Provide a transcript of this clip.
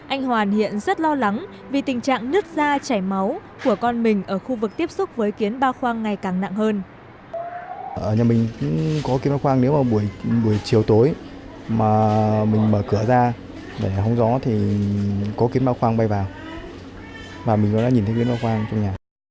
anh hoàn hiện rất lo lắng vì tình trạng nước da chảy máu của con mình ở khu vực tiếp xúc với kiến ba khoang ngày càng nặng hơn